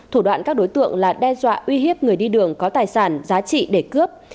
thủ đoạn các đối tượng là đe dọa uy hiếp người đi đường có tài sản giá trị để cướp